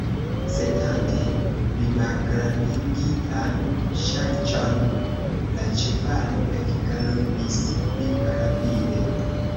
Sentante plimalgrandigitan ŝarĝon, la ĉevalo ekgalopis pli rapide.